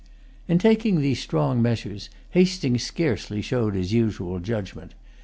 In taking these strong measures, Hastings scarcely showed his usual judgment.